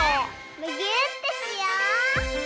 むぎゅーってしよう！